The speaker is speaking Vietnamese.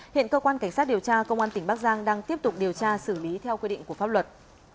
hiện cơ quan cảnh sát điều tra công an tỉnh bắc giang đang tiếp tục điều tra xử lý theo quy định của pháp luật